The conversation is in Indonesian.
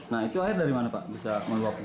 nah itu air dari mana pak